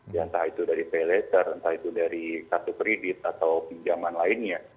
ya entah itu dari pay letter entah itu dari kartu kredit atau pinjaman lainnya